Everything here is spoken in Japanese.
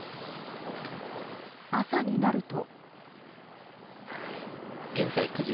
朝になると。